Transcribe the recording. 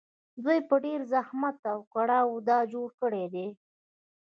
دوی په ډېر زحمت او کړاوونو دا جوړ کړي دي